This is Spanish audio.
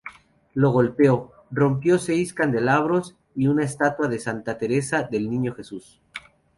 Lo golpeó, rompió seis candelabros y una estatua de Santa Teresa del Niño Jesús.